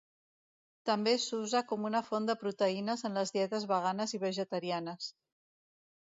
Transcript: També s’usa com una font de proteïnes en les dietes veganes i vegetarianes.